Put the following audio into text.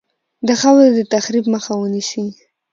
د خاورې د تخریب مخه ونیسي.